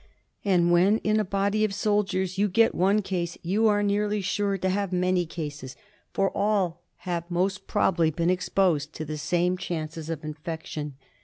And when in a body of soldiers you get one case you are nearly sure to have many cases, for all 30 GUINEA WORM. have most probably been exposed to the same chances of infection.